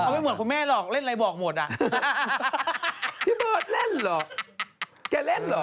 พี่เบิร์ดไอทรีย์อะไรหยัก